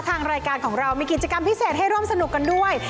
ทางรายการของเรามีกิจกรรมพิเศษให้ร่วมสนุกกันด้วย